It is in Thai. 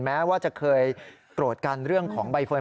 แม้ว่าจะเคยโกรธกันเรื่องของใบเฟิร์น